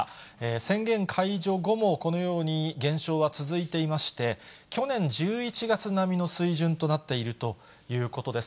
宣言解除後もこのように減少は続いていまして、去年１１月並みの水準となっているということです。